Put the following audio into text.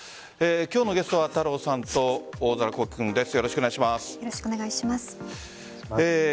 今日のゲストは太郎さんと大空幸星君です。